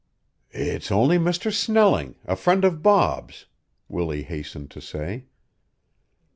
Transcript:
"It's only Mr. Snelling, a friend of Bob's," Willie hastened to say.